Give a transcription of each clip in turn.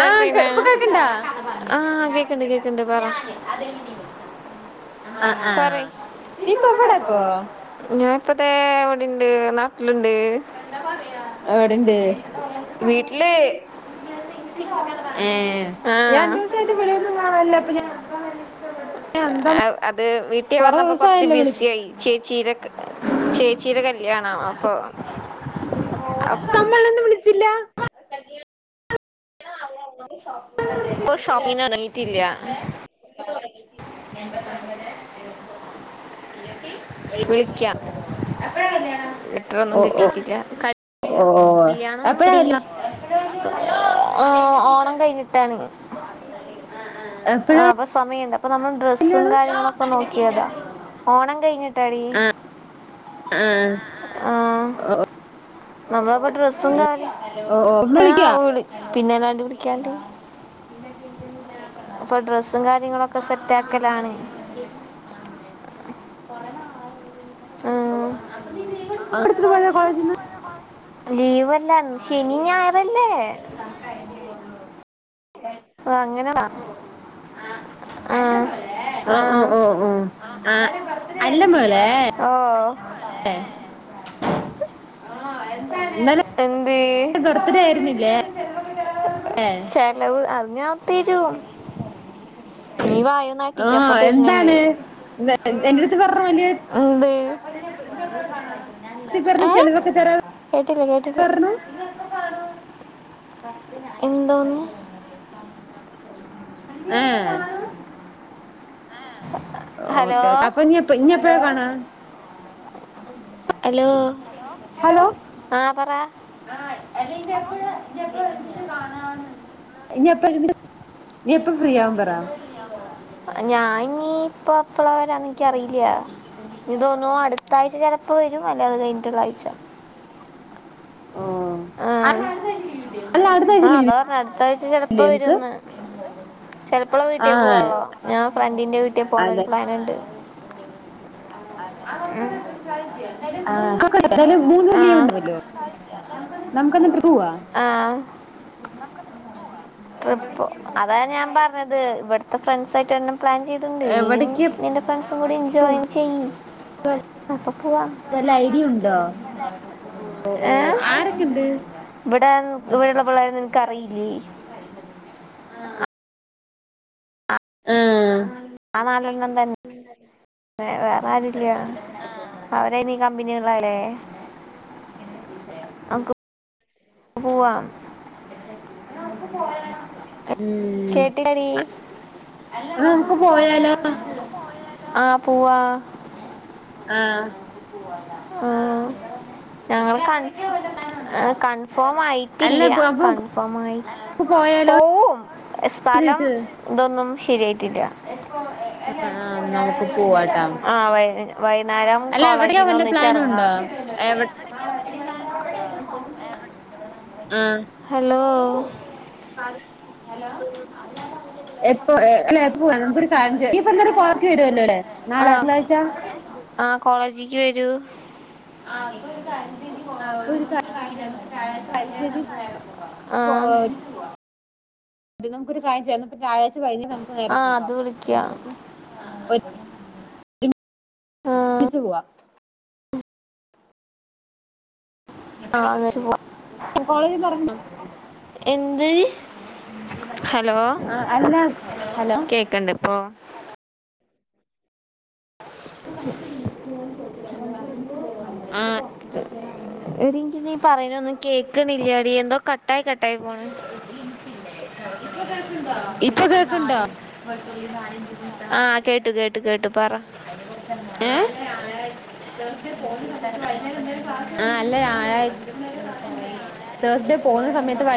ആഹ് കേ ഇപ്പൊ കേക്ക്ണ്ടാ [unintelligible] ആഹ കേക്കണ്ട് കേക്കണ്ട് പറ ആഹ് പറ ആഹ് നീ ഇപ്പൊ എവിടാപ്പൊ ഞാൻ ഇപ്പോഴത്തെ എവിടെയ ഉണ്ട് നാട്ടിലുണ്ട് എവിടെണ്ട് [unintelligible] വീട്ടില് [unintelligible] രണ്ടു ആ ദിവസായിട്ട് ഇവിടെയൊന്നും കാണാനില്ല അപ്പൊ ഞാൻ എന്താ അത് വീട്ടിൽ കൊറേ വന്നപ്പോ കൊറച്ച് ദിവസായല്ലോ വിളി ബിസി ആയി ചേച്ച ചീരക് ചേച്ചീടെ കാ അപ്പൊ [unintelligible] തമ്മൾ വിള [unintelligible] ഇ ഷോപ്പിനാ എറങ്ങീ ട്ടില്യ [unintelligible] [unintelligible] ലെറ്ററൊന്നും ഓ കിട്ടിട്ടില്ല ഓ ഓ കല്യാണം എപ്പഴാ കല്യാണം [unintelligible] ആ ഓണം കഴിഞ്ഞി [unintelligible] ആ എപ്പഴാ അപ്പൊ സമയുണ്ട അപ്പൊ നമ്മൾ ഡ്രെസ്സും കല്യാണം കാര്യങ്ങളും ഒക്കെ നോക്കിയതാ ഓണം കഴിഞ്ഞിട്ടാടി ആഹ ആഹ് ഓ നമ്മളപ്പോ ഡ്രെസ്സ കാര്യം ഓ ഇന്ന് ആ വിളിക്കോ വിള് പിന്നെല്ലാണ്ട വിളിക്കാണ്ട് ഇപ്പൊ ഡ്രസ്സും കാര്യങ്ങളോക്കെ സെറ്റ് ആക്കലാണ് ആഹ പിടിച്ചട്ട് പോയത കോളേജിന്ന് ലീവല ശനി ഞായറല്ലേ ക് ആഹ ആ ഓ ഓ ഓ ആഹ് അല്ല മോളെ ആ ഓ ഇന്നെല എന്ത് ബർത്ത്ഡേ ആയിരുന്നില്ലേ ചെലവ് അത് ഞാൻ ത്തെരും നീ വായ നാട്ടിക്കൊ അപ്പ തെര്ന്ന്ണ്ട് ന്ന [unintelligible] എന്റെ അടുത്ത് പറഞ്ഞ വലിയ [inaudible] പറഞ്ഞ് ആഹ് ചെലവൊക്കെ തരാ കേട്ടില്ല കേട്ടില പറഞ്ഞു എന്തോന്ന് ആഹ് ഹലോ അപ്പൊ ഇനി ഇനി എപ്പഴാ കാണാ ഹലോ ഹലോ ആഹ് പറ ആഹ് അല്ലെങ്ക [unintelligible] എപ്പഴ് [unintelligible] കാണ ഇഞ്ഞ്യ എപ്പണ്ട് ഞാൻ നിപ്പൊ പ്ലാ [unintelligible] ഇൻക്ക്യറീല്ല ഇഞ്ഞ് തോന്ന്ന്നു അടുത്താഴ്ച ചെലപ് ഇപ്പൊ ഒരു കല്യാണം കഴിഞ്ഞ് ട്ടൊരാഴ്ച ഓ ആഹ് അല്ല അടുത്ത ആഴ്ച ആഹ് അതാ ലീവില്ലേ പറ്ഞ്ഞെ അടുത്ത ആഴ്ച ചെലപ്പോ നിങ്ങക്ക് വരെംന്ന് ചെലപ്പോള് വീട്ടീ ആഹ് പോവൊള്ളോ ഞാൻ ഫ്രണ്ടിന്റെ വീട്ടി പോക്ണ ഒരു അതെ പ്ലൻുണ്ട് ആഹ് ഉം ആഹ് [unintelligible] മൂന്ന് ലീവ് ഉണ്ടാവല്ലോ നമക്ക് ഇന്നട്ട്രക്ക് പോവാ ആ ട്രിപ്പ് അതാണ് ഞാൻ പറഞ്ഞത് ഇവട്ത്തെ ഫ്രണ്ട്സ ആയിട്ട്ന്നെ പ്ലാൻ ചെയ്തുണ്ട് നീയും എവിടേക്ക് നിന്റെ ഫ്രണ്ട്സും കൂടി എൻജോയി ചെയ്യ് ഒപ്പാക്കോവാ വല്ല ഐഡിയ ഉണ്ടോ ഓ ഏഹ് ആരൊക്കെണ്ട് ഇബ്ടെ [unintelligible] ഇവിടെള്ള പിള്ളേരെ നിനക്കറീല്ലേ ആഹ് ആഹ് ആഹ് നാലെണ്ണം തന്നെ വേ വേറെ ആരുല്യ അവരെ നീ കമ്പനി ഉള്ളെല്ലേ അമ്ക്ക് പോവാ [inaudible] ഉം കേട്ടിലടീ. അത് നമുക്ക് പോയാലോ [inaudible] ആഹ് പൂവാ ആഹ് ആ ഞങ്ങൾ കൺ എ കൺ അല്ല ഫോമായിട്ടില്ല അപ്പൊ നമുക്ക് കൺഫോമായി പോയാലോ പോവും സ്ഥലം ചോദിച്ചത് ഇതൊന്നും ശരിയായിട്ടില്ല ആഹ് നമുക്ക് പോവാട്ടാ ആ വൈ വൈന്നേരാവും അല്ല എവിടെയാ വയറ്റിന്ന് വല്ല പ്ലാനും ഒന്നിച്ചെറങ്ങാ ഉണ്ടോ എവിടെ ആം എപ്പൊ എ എപ്പോഎന്തൊരു കാര്യം ചെ ഇയ്പൊ ന്നൊരു കൊറക്ക് വരല്ലോ ആ നാളെ എന്തായ്ച്ച ആ കോളേജിക്ക് വരൂ ആഹ് അപ്പൊ ഒരു കാര്യം ചെയ്യ് നീ ആ ത് നമുക്കൊരു കാര്യം ചെയ ന്ന പ്പൊ വ്യാഴാഴ്ച വൈകി നമ്മുക്ക് ആ നേരെ അത് പൂകാം വിളിക്കാം ഒര് ആ മിച്ചു പൂവാ ആ ന്ന് കോളേജിന്നിറങ്ങുമ്പൊ അം ടീ ഹലോ ആഹ് അല്ല ഹലോ കേക്കണ്ട് ഇപ്പോ ആഹ് [unintelligible] എടി എൻകെ നീ പറയണ ഒന്നും കേക്കണില്ലടി എന്തോ കട്ടായി കട്ടായി പോണ് [unintelligible] ഇപ്പൊ പ്പം കേക്ക്ണ്ടോ നാല് വളുത്തുള്ളി നാല് ആ കേട്ടു കേട്ടു കേട്ടു പറ അതിനെ കുറിച്ച് ഏ [unintelligible] അല്ല ഞായറാഴ് തേഴ്സ്ഡേ പോകുന്ന സമയത്ത് വൈ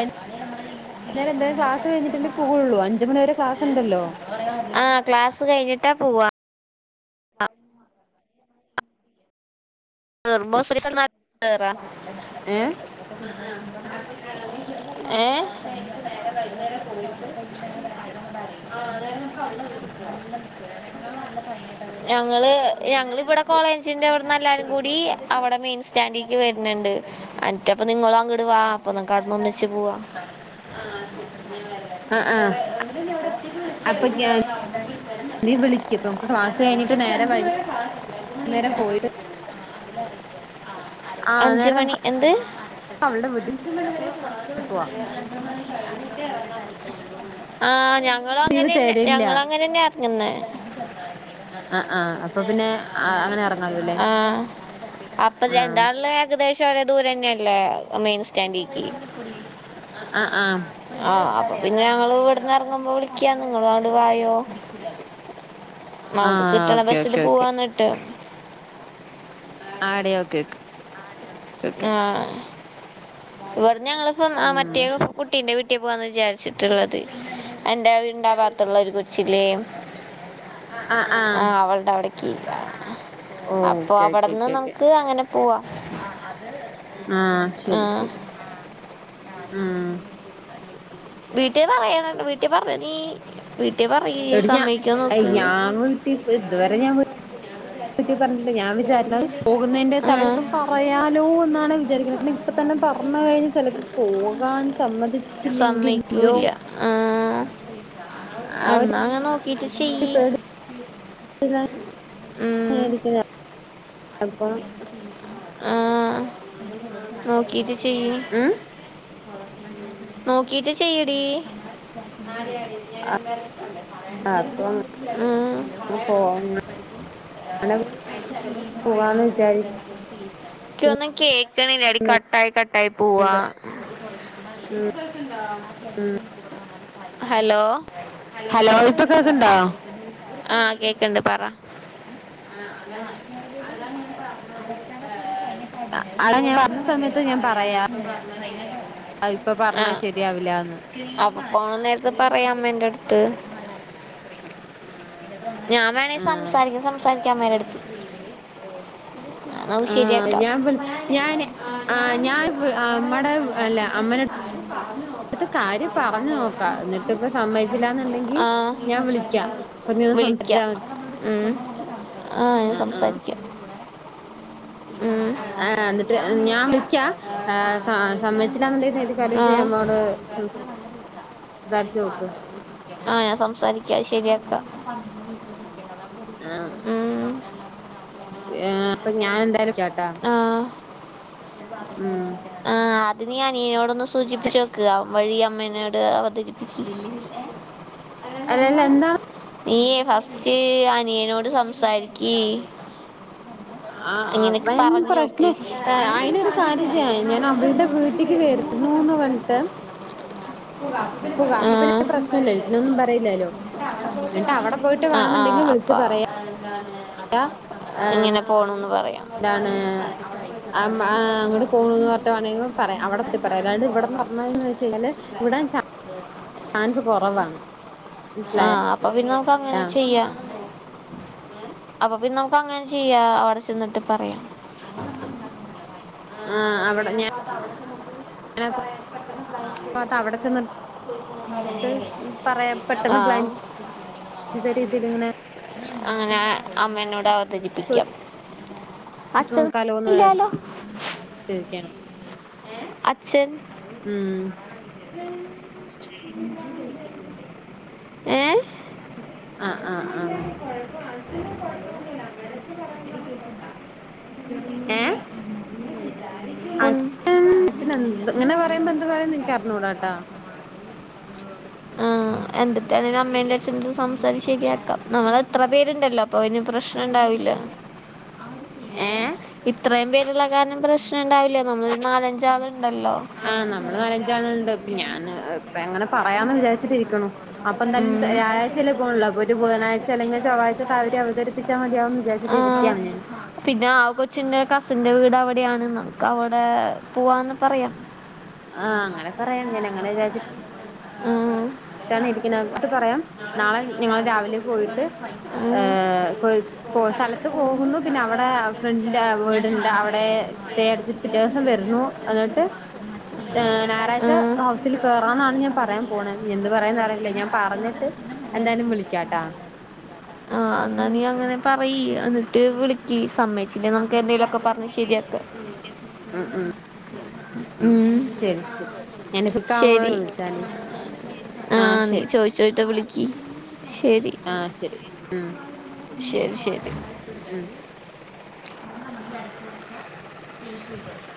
കുന്നേരം എന്തായാലും ക്ലാസ് കഴിഞ്ഞിട്ടല്ലേ പോകുള്ളൂ അഞ്ച് മണി വരെ ക്ലാസ് ഉണ്ടല്ലോ ആ ക്ലാസ് കഴിഞ്ഞിട്ടാ പോവാ ആം ഹോസ്റ്റൽ കടന്ന കേറ ഏഹ് ഏ [unintelligible] ആഹ് അന്നേരം നമ്മക്ക് അവിടെ വീട്ടിൽ പോവാം ഞങ്ങള് ഞങ്ങിവിടെ കോളേജിന്റെ ഇവിടെന്ന്ല്ലാരും കൂടി അവിടെ മെയിൻ സ്റ്റാൻഡിലേക്ക് വര്ന്ന്ണ്ട് മറ്റപ്പ നിങ്ങളും അങ്കടുവാ അപ്പൊ നിങ്ങ അവട്ന്ന് ഒന്നി ച് പോവാ ആ ആ അപ്പൊ ഞാ നീ വിളിക്ക് അപ്പ നമുക്ക് ക്ലാസ് കഴിഞ്ഞിട്ട് നേരെ വ ന്നേരം പോയിട് അത് ആഹ് അഞ്ച് മണി നമുക്ക് എന്ത് [unintelligible] അവളുടെ വീട്ടിൽ പോവാം ആ ഞങ്ങളും ലീവ് അങ്ങനെന്ന തരില്ല ഞങ്ങ അങ്ങനെ തന്നെയ ഇറങ്ങുന്ന ആഹ് ആഹ് അപ്പൊ പിന്നെ അങ്ങനെ ഇറങ്ങാലോ അല്ലേ ആ അപ്പൊ ആഹ് എന്താണല്ല ഏകദേശം രെ ദൂര തന്നെയല്ല മെയിൻ സ്റ്റാൻഡിക്ക് ആ ആ പിന്നെ ഞങ്ങള് ഇവിടുന്ന് ഇറങ്ങുമ്പോ വിളിക്കാ നിങ്ങള് അങ്ങട് വായോ നമുക്ക് ആഹ് കിട്ടണ ഓക്കെ ബസില് ഓക്കെ ഓക്കെ പോവാന്നിട്ട് ആടി ഒക്കെ ക്കെ ആ ഇവിടെന്ന് ഞങ്ങളിപ്പോ ആ ഉം മറ്റേ കുട്ടീന്റെ വീട്ടിൽ പോകന്ന് വിചാരിച്ചിട്ടുള്ളത് എന്റെറെ വീട് വാത്തുള്ള ഒരു കൊച്ചിലേയ് ആഹ് ആഹ് ആ അവളുടെ അവിടക്ക് അപ്പൊ ഓക്കെ ഓക്കെ അവിടുന്ന് നമുക്ക് അങ്ങനെ പോവാ ആ ശരി ശരി ഉം വീട്ടേ പറയാണം വീട്ടിൽ പറഞ്ഞ നീ വീട്ടിൽ പറയ് എടി ഞാൻ സമ്മയ്ക്കോ നോക്ക് റ്റി പറഞ്ഞില്ല ഞാൻ വിചാരിക്കണ പോകുന്നതിന്റെ ആ തലേ ദിവസം പറയാലോ എന്നാണ് വിചാരിക്കുന്നത് ഇപ്പ തന്നെ പറഞ്ഞു അമ്മ കഴിഞ്ഞ് ചിലപ്പോ പോകാൻ സമ്മതിച്ചില്ലെങ്കിലോ സമ്മതിക്കൂല ആ ആ ഒരു എന്നാ അങ്ങ നോക്കിട്ട് ചെയ്യ് ഉം. മേടിക്കുന്ന അപ്പം നോക്കീട്ട് ചെയ്യ് ഉം നോക്കീട്ട് ചെയ്യടി അപ്പം ആ അങ്ങനെ [unintelligible] പോകാന്ന് വിചാരിക്ക എ ഒന്നും കേക്കണില്ല അടി കട്ടായി കട്ടായി പോവാ ഇപ്പം കേൾക്കുണ്ടോ ഹലോ ഹലോ ഇപ്പൊ കേക്ക്ണ്ടോ ആ കേക്കണ്ട് പറ പറോ അടാ ഞാൻ പറഞ്ഞ പറയാ പറ [unintelligible] [unintelligible] ആ ഇപ്പൊ പറഞ്ഞാ ശരിയാവില്ലന്ന് പോവാൻ നേരത്തെ പറയാം അമ്മ എന്റെ അടുത്ത് ഞാൻ വേണെ ആഹ് സംസാരിക്കും സംസാരിക്കാം അമ്മേരെടുത്ത് ആ ഞാൻ ഞാന് ആ ഞാൻ അമ്മടെ അല്ല അമ്മന പറഞ്ഞോ ക്ക് എന്ന് കാര്യം പറഞ്ഞു നോക്കാം എന്നിട്ട് ഇപ്പ സമ്മതിച്ചില്ല എന്നുണ്ടെങ്കിൽ ഞാൻ വിളിക്കാം അപ്പൊ നീ സം ക്കാ ഉ ആ ഞാൻ ആഹ് ആഹ് സംസാരിക്കാം ഉം. ആ എന്നിട്ട് ഞാൻ വിളിക്കാം വിളിക്ക ആ കമലിക്കാൻ സമ്മച്ചില്ലന്ന്ണ്ട [unintelligible] നീ വിളിക്കാം. കാര് ആ. [unintelligible] നമ്മോട് [inaudible] ആ ഞാൻ സംസാരിക്ക ശരിയാക്കാം ആ പൊടിക്കുന്നത് ഉം. അപ്പൊ ഞാന്ന് എന്തായാലും വിളിക്കാട്ടോ ആ ആ അത് ന് അനീയനോടൊന്ന് സു സൂചിപ്പിച്ചച്ച് വെക്കുക വഴി അമ്മേനോട് അവതരിപ്പിച്ചി അല്ലല്ല എന്താ നീയേ ഫസ്റ്റ് അനിയനോട് സംസാരിക്കീ ആ അവൻ പറഞ്ഞു നോക്ക് പ്രശ്നം അയിനൊരു കാര്യം ചെയ്യാ ഞാൻ അവളുടെ വീട്ടേക്ക് വര വരുനൂന്ന് പറഞ്ഞിട്ട് പ കാപ്പ [unintelligible] പിന്നെ ആഹ് പ്രശ്നല്ല ഇന്നൊന്നും പറയില്ലല്ലോ എന്നിട്ട് അവിടെ പോയിട്ട് ആഹ് വേണെന്നുണ്ടെങ്കിൽ ആഹ് വിളിച്ചു അപ്പൊ പറയാം ഇങ്ങനെ പോണൂന്ന് പറയാം എന്താണ് അങ്ങോട്ട് പോണന്ന്ട്ട [unintelligible] വേണെങ്ക പറയാ അട പറ്റി പറയാം അതാ ഇവിടന്ന് പറഞ്ഞന്ന് വെച്ച് കഴിഞ്ഞാൽ ഇവിടെ ചാൻസ് കൊറവാണ് ആഹ അപ്പൊ പിന്നെ നമുക്ക് അങ്ങനെ ചെയ്യാം അപ്പൊ പിന്നെ നമുക്ക് അങ്ങനെ ചെയ്യാ അവിടെ ചെന്നിട്ട് പറയാം ആ അവിടെ ഞൻപ്പ അടെ പറയാൻ പെട്ടെന്ന് അവിടെ ചെന്ന് ആഹ വിചിത രീതിയിൽ ഇങ്ങനെ അങ്ങനെ അമ്മേനോട് അവതരിപ്പിക്കാം അച്ഛൻ നോക്കാലോന്ന് ഇല്ലാലോ അച്ഛൻ ഉം ഏ ആഹ് ആഹ് ആഹ് പഴസില്ലഴസ വഴപ്പ പറ ഏഹ് രീണ്ട ഉൺ നിനക്ക്റഞ്ഞ കൂടാട്ടാ ആഹ എന്നിട്ടും അമ്മേന്റെ അച്ഛന സംസാരിച്ചേക്ക ആക്കാം നമ്മൾ എത്ര പേരുണ്ടല്ലോ അപ്പൊ അതിന് പ്രശ്നം ണ്ട ഏഹ് ഇത്രയും പേരുള്ള കാരണം പ്രശ്നം ഉണ്ടാവില്ല ല്ല നമ്മളരു നാലഞ്ചാ ഉണ്ടല്ലോ ആഹ് നമ്മള് നാലഞ്ചാളുണ്ട് വിചാരിച്ചിരിക്കുന്നു അപ്പൊ എന്തായാലും വിചാരിച്ചിട്ടിരിക്കുണ് അപ്പോൊ ഒരു ബുധനാഴ്ച അെങ്കിൽ ചൊവ്വാഴച അവരി അവതരിപ്പ ആ പിന്നെ ആ കൊച്ചിന്റെ കസന്റെ വീട് അവിടെയാണ് നമുക്ക് അവിടെ പോവാന്ന് പറയാം ആഹ അങ്ങനെ പറയാം ഞാൻ അങ്ങനെ വിചി ആഹ ഇരിക്കങ്ങോട്ട് പറയാം നാളെ ഞങ്ങള്ൾ രാവിലെ പോയിട്ട് ഉം. സ്ഥലത്ത് പോകുന്നു പിന്നെ അവിടെ ഫ്രണ്ട് വീടുണ്ട് അവിടെ സ്റ്റേ അടിച്ചിട്ട് പിറ്റേ ദിവസം വരുന്നു എന്നിട്ട് ഞായറാഴ്ച ഹൗസിൽ കേയറാന്നാണ് ഞാൻ പറയാൻ പോണ എന്ന്ത് പറയാന്ന് അറിയില്ല ഞാൻ പറഞ്ഞിട്ട് എന്തായാലും വിളിക്കാട്ടാ ആ എന്നാ നീ അങ്ങനെ പറയി എന്നിട്ട് വിളിക്കി സമ്മച്ചില്ലേ ന്തേലൊക്കെ പറഞ്ഞു ശരിയൊക്കെ ഉ ശരി ശരി എ കക്കാമ വിളിച്ചാലി ആഹ നീ ചോദിച്ചോയിട്ട വിളിക്കി ആശരി ഉം ശരി ശരി ഉം ഇ